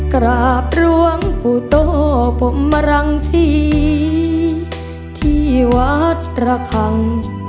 กราบหลวงปู่โต้พรมรังศรีที่วัดระคัง